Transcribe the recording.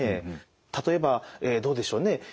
例えばどうでしょうね？